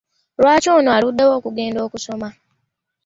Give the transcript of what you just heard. Lwaki ono aludewo okugenda okusoma?